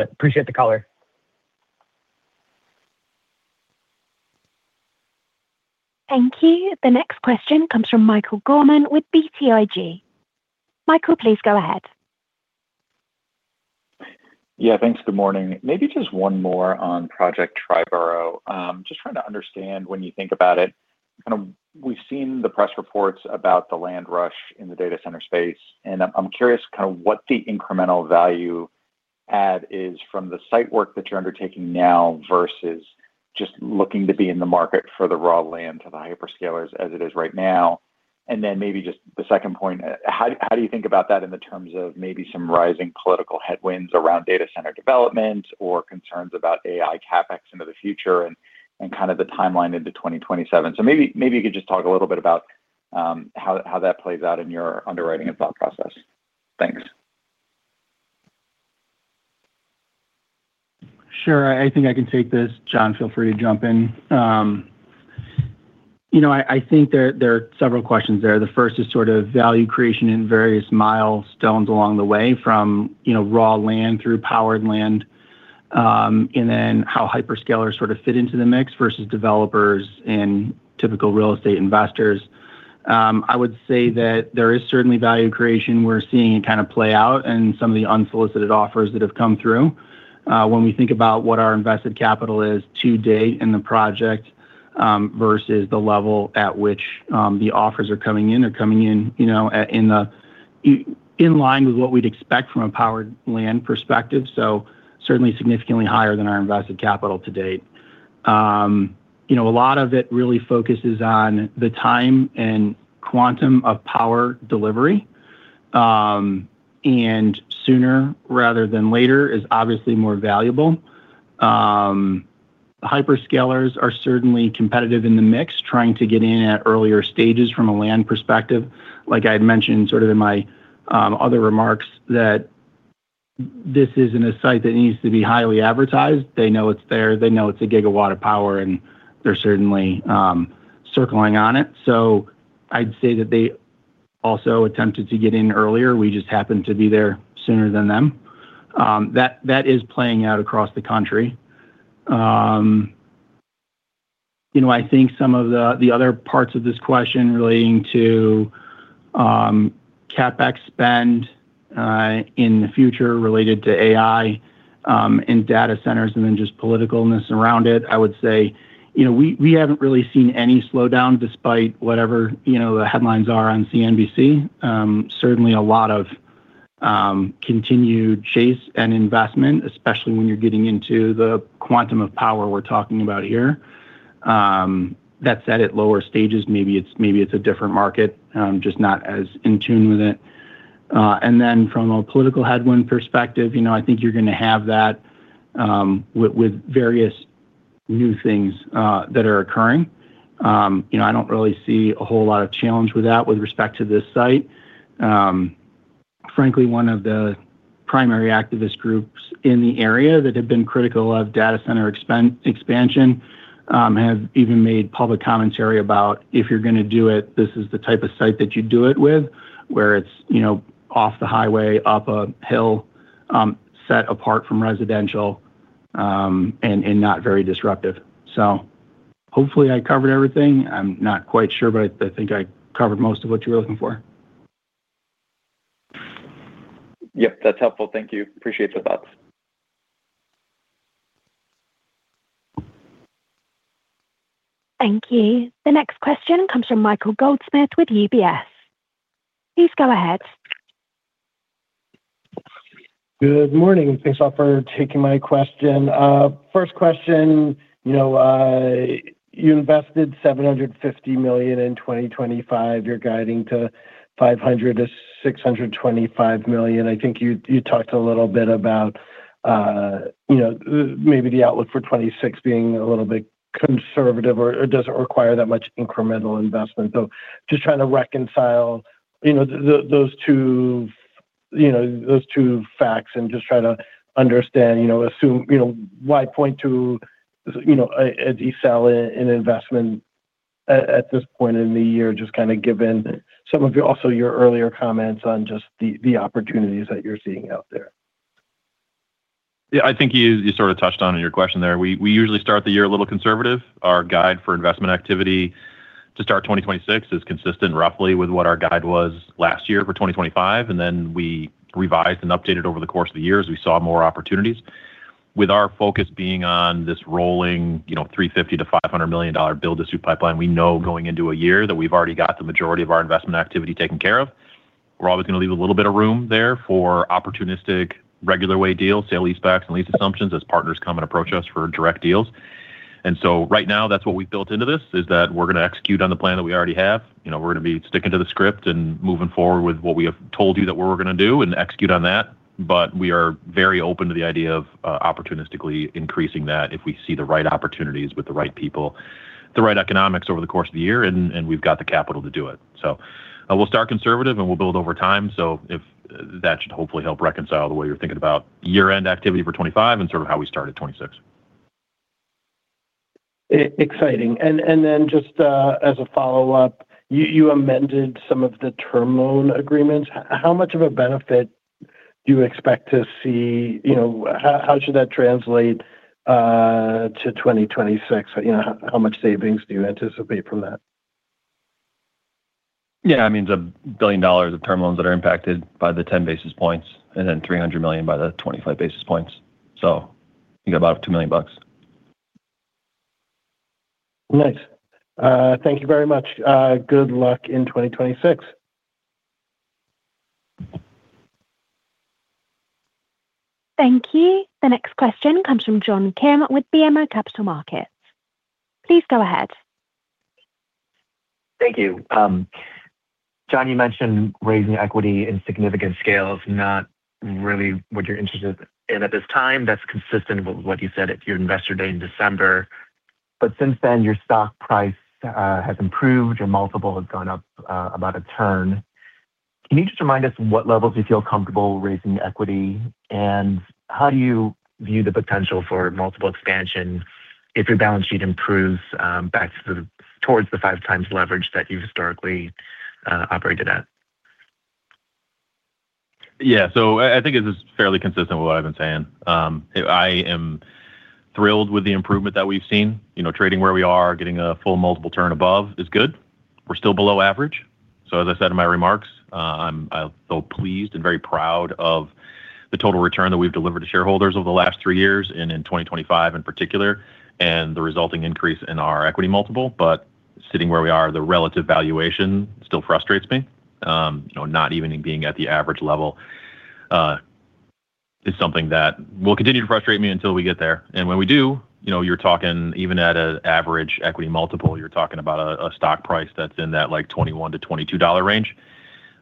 it. Appreciate the color. Thank you. The next question comes from Michael Gorman with BTIG. Michael, please go ahead. Yeah, thanks. Good morning. Maybe just one more on Project Triboro. Just trying to understand, when you think about it, kind of, we've seen the press reports about the land rush in the data center space, and I'm, I'm curious kind of what the incremental value add is from the site work that you're undertaking now, versus just looking to be in the market for the raw land to the hyperscalers as it is right now. And then maybe just the second point, how, how do you think about that in the terms of maybe some rising political headwinds around data center development or concerns about AI CapEx into the future and, and kind of the timeline into 2027? So maybe, maybe you could just talk a little bit about, how, how that plays out in your underwriting and thought process. Thanks. Sure, I think I can take this. John, feel free to jump in. You know, I think there are several questions there. The first is sort of value creation in various milestones along the way, from, you know, raw land through powered land, and then how hyperscalers sort of fit into the mix versus developers and typical real estate investors. I would say that there is certainly value creation we're seeing it kind of play out in some of the unsolicited offers that have come through. When we think about what our invested capital is to date in the project, versus the level at which the offers are coming in, you know, at in line with what we'd expect from a powered land perspective, so certainly significantly higher than our invested capital to date. You know, a lot of it really focuses on the time and quantum of power delivery, and sooner rather than later is obviously more valuable. Hyperscalers are certainly competitive in the mix, trying to get in at earlier stages from a land perspective. Like I had mentioned sort of in my other remarks, that this isn't a site that needs to be highly advertised. They know it's there, they know it's a gigawatt of power, and they're certainly circling on it. So I'd say that they also attempted to get in earlier. We just happened to be there sooner than them. That is playing out across the country. You know, I think some of the, the other parts of this question relating to, CapEx spend, in the future related to AI, and data centers, and then just politicalness around it, I would say, you know, we, we haven't really seen any slowdown despite whatever, you know, the headlines are on CNBC. Certainly a lot of, continued chase and investment, especially when you're getting into the quantum of power we're talking about here. That said, at lower stages, maybe it's, maybe it's a different market, just not as in tune with it. And then from a political headwind perspective, you know, I think you're gonna have that, with, with various new things, that are occurring. You know, I don't really see a whole lot of challenge with that with respect to this site. Frankly, one of the primary activist groups in the area that have been critical of data center expansion have even made public commentary about if you're gonna do it, this is the type of site that you do it with, where it's, you know, off the highway, up a hill, set apart from residential, and not very disruptive. So hopefully I covered everything. I'm not quite sure, but I think I covered most of what you were looking for. Yep, that's helpful. Thank you. Appreciate the thoughts. Thank you. The next question comes from Michael Goldsmith with UBS. Please go ahead. Good morning, and thanks all for taking my question. First question, you know, you invested $750 million in 2025. You're guiding to $500 million-$625 million. I think you, you talked a little bit about, you know, maybe the outlook for 2026 being a little bit conservative or, or doesn't require that much incremental investment. So just trying to reconcile, you know, those two, you know, those two facts and just try to understand, you know, assume, you know, why point to, you know, a, a sell in investment at, at this point in the year, just kind of given some of your-- also your earlier comments on just the, the opportunities that you're seeing out there. Yeah, I think you, you sort of touched on in your question there. We, we usually start the year a little conservative. Our guide for investment activity to start 2026 is consistent roughly with what our guide was last year for 2025, and then we revised and updated over the course of the year as we saw more opportunities. With our focus being on this rolling, you know, $350 million-$500 million build-to-suit pipeline, we know going into a year that we've already got the majority of our investment activity taken care of. We're always going to leave a little bit of room there for opportunistic, regular way deals, sale-leasebacks, and lease assumptions as partners come and approach us for direct deals. And so right now, that's what we've built into this, is that we're going to execute on the plan that we already have. You know, we're going to be sticking to the script and moving forward with what we have told you that we're going to do and execute on that. But we are very open to the idea of opportunistically increasing that if we see the right opportunities with the right people, the right economics over the course of the year, and we've got the capital to do it. So we'll start conservative, and we'll build over time. So that should hopefully help reconcile the way you're thinking about year-end activity for 2025 and sort of how we start at 2026. Exciting. And then just as a follow-up, you amended some of the term loan agreements. How much of a benefit do you expect to see? You know, how should that translate to 2026? You know, how much savings do you anticipate from that? Yeah, I mean, it's $1 billion of term loans that are impacted by the 10 basis points and then $300 million by the 25 basis points. So you got about $2 million bucks. Nice. Thank you very much. Good luck in 2026. Thank you. The next question comes from John Kim with BMO Capital Markets. Please go ahead. Thank you. John, you mentioned raising equity in significant scales, not really what you're interested in at this time. That's consistent with what you said at your Investor Day in December. But since then, your stock price has improved, your multiple has gone up about a turn. Can you just remind us what levels you feel comfortable raising equity, and how do you view the potential for multiple expansion if your balance sheet improves back towards the 5x leverage that you've historically operated at? Yeah. So I think this is fairly consistent with what I've been saying. I am thrilled with the improvement that we've seen. You know, trading where we are, getting a full multiple turn above is good. We're still below average. So as I said in my remarks, I feel pleased and very proud of the total return that we've delivered to shareholders over the last three years and in 2025 in particular, and the resulting increase in our equity multiple. But sitting where we are, the relative valuation still frustrates me. You know, not even being at the average level is something that will continue to frustrate me until we get there. And when we do, you know, you're talking even at an average equity multiple, you're talking about a stock price that's in that, like, $21-$22 range.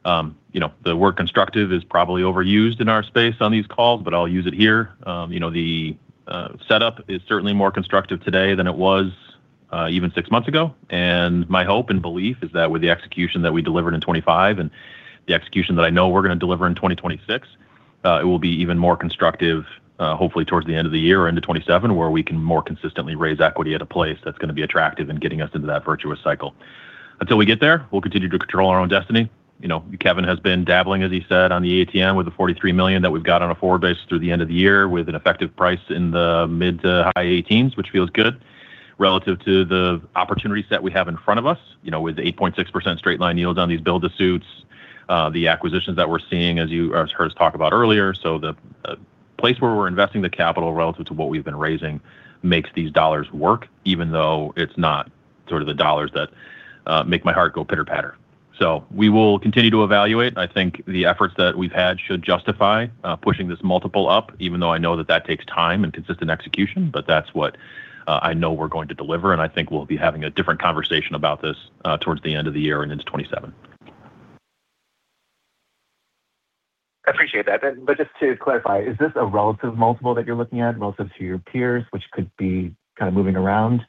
You know, the word constructive is probably overused in our space on these calls, but I'll use it here. You know, the setup is certainly more constructive today than it was even six months ago. And my hope and belief is that with the execution that we delivered in 2025 and the execution that I know we're going to deliver in 2026, it will be even more constructive, hopefully towards the end of the year or into 2027, where we can more consistently raise equity at a place that's going to be attractive in getting us into that virtuous cycle. Until we get there, we'll continue to control our own destiny. You know, Kevin has been dabbling, as he said, on the ATM with the $43 million that we've got on a forward basis through the end of the year, with an effective price in the mid- to high-18s, which feels good relative to the opportunities that we have in front of us. You know, with the 8.6% straight-line yields on these build-to-suits, the acquisitions that we're seeing, as you heard us talk about earlier. So the place where we're investing the capital relative to what we've been raising makes these dollars work, even though it's not sort of the dollars that make my heart go pitter-patter. So we will continue to evaluate. I think the efforts that we've had should justify pushing this multiple up, even though I know that that takes time and consistent execution, but that's what I know we're going to deliver, and I think we'll be having a different conversation about this towards the end of the year and into 2027. I appreciate that. But just to clarify, is this a relative multiple that you're looking at relative to your peers, which could be kind of moving around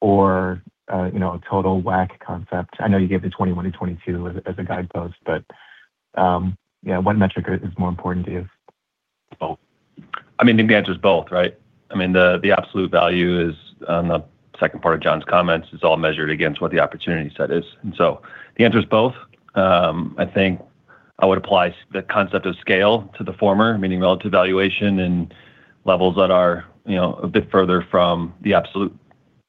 or, you know, a total WACC concept? I know you gave the 21-22 as, as a guidepost, but, yeah, what metric is, is more important to you? Oh, I mean, I think the answer is both, right? I mean, the absolute value is on the second part of John's comments, is all measured against what the opportunity set is. And so the answer is both. I think I would apply the concept of scale to the former, meaning relative valuation and levels that are, you know, a bit further from the absolute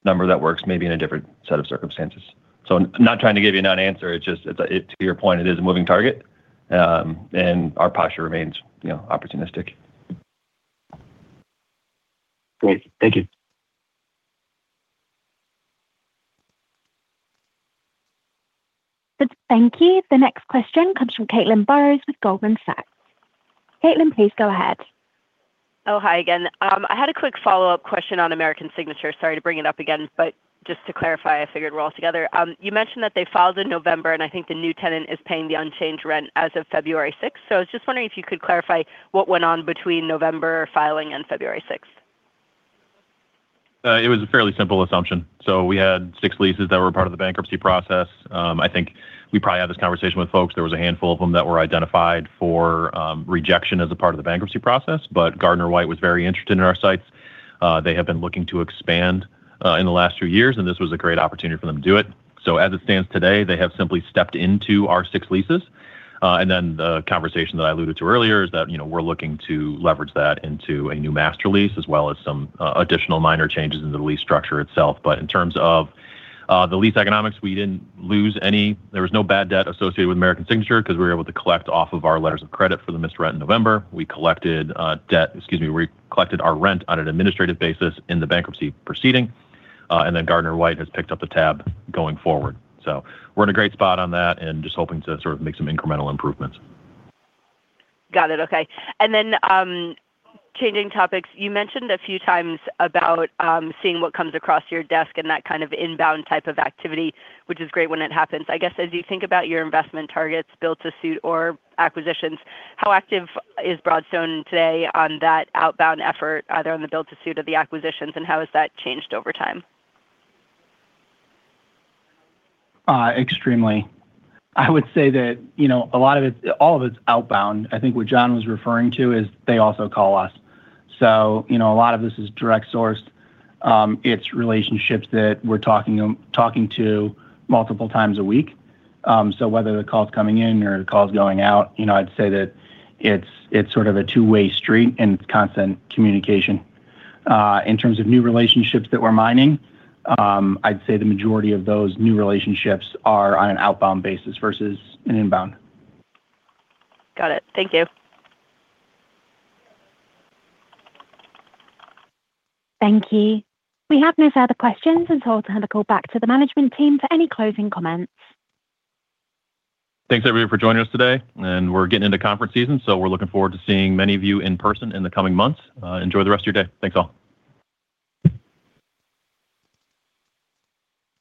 number that works maybe in a different set of circumstances. So I'm not trying to give you a non-answer, it's just it to your point, it is a moving target, and our posture remains, you know, opportunistic. Great. Thank you. Thank you. The next question comes from Caitlin Burrows with Goldman Sachs. Caitlin, please go ahead. Oh, hi again. I had a quick follow-up question on American Signature. Sorry to bring it up again, but just to clarify, I figured we're all together. You mentioned that they filed in November, and I think the new tenant is paying the unchanged rent as of February sixth. So I was just wondering if you could clarify what went on between November filing and February sixth? It was a fairly simple assumption. So we had six leases that were part of the bankruptcy process. I think we probably had this conversation with folks. There was a handful of them that were identified for, rejection as a part of the bankruptcy process, but Gardner White was very interested in our sites. They have been looking to expand, in the last few years, and this was a great opportunity for them to do it. So as it stands today, they have simply stepped into our six leases. And then the conversation that I alluded to earlier is that, you know, we're looking to leverage that into a new master lease, as well as some, additional minor changes in the lease structure itself. But in terms of, the lease economics, we didn't lose any... There was no bad debt associated with American Signature 'cause we were able to collect off of our letters of credit for the missed rent in November. We collected our rent on an administrative basis in the bankruptcy proceeding, and then Gardner White has picked up the tab going forward. So we're in a great spot on that and just hoping to sort of make some incremental improvements. Got it. Okay. And then, changing topics, you mentioned a few times about, seeing what comes across your desk and that kind of inbound type of activity, which is great when it happens. I guess, as you think about your investment targets, build-to-suit or acquisitions, how active is Broadstone today on that outbound effort, either on the build-to-suit or the acquisitions, and how has that changed over time? Extremely. I would say that, you know, a lot of it, all of it's outbound. I think what John was referring to is they also call us. So, you know, a lot of this is direct sourced. It's relationships that we're talking to multiple times a week. So whether the call's coming in or the call's going out, you know, I'd say that it's sort of a two-way street, and it's constant communication. In terms of new relationships that we're mining, I'd say the majority of those new relationships are on an outbound basis versus an inbound. Got it. Thank you. Thank you. We have no further questions and so turn the call back to the management team for any closing comments. Thanks, everyone, for joining us today, and we're getting into conference season, so we're looking forward to seeing many of you in person in the coming months. Enjoy the rest of your day. Thanks, all.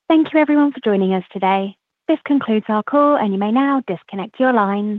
Thank you, everyone, for joining us today. This concludes our call, and you may now disconnect your line.